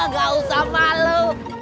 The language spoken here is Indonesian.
gak usah malu